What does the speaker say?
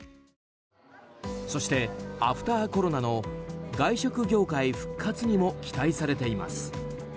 そして、アフターコロナの外食業界復活にも期待されています。